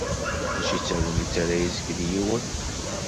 Mačči d tagnit ara yezgel yiwen.